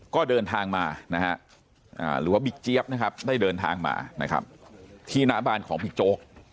ก็เดินทางมานะฮะหรือว่าบิ๊กเจี๊ยบนะครับได้เดินทางมานะครับที่หน้าบ้านของบิ๊กโจ๊ก